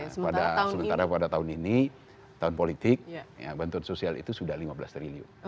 nah sementara pada tahun ini tahun politik bantuan sosial itu sudah lima belas triliun